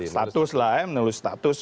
status lah ya menurut status